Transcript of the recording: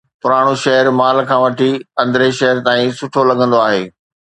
پراڻو شهر مال کان وٺي اندرين شهر تائين سٺو لڳندو آهي.